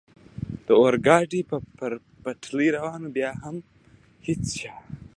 د اورګاډي پر پټلۍ روان و، بیا هم هېڅ چا.